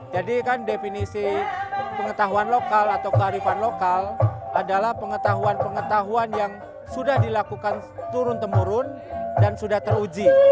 jadi kan definisi pengetahuan lokal atau kearifan lokal adalah pengetahuan pengetahuan yang sudah dilakukan turun temurun dan sudah teruji